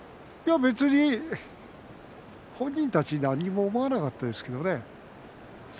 別に本人たちは何も思わなかったですけどね。